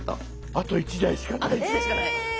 あと１台しかない！え！